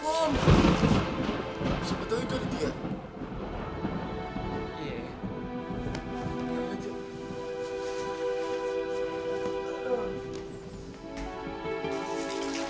menurut kamu gue akan menyebabkan keferahan terhadap kamu